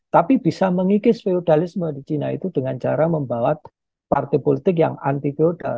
tapi bisa mengikis feudalisme di china itu dengan cara membawa partai politik yang anti geodal